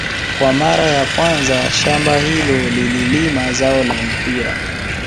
Kwa mara ya kwanza shamba hilo lililima zao la mpira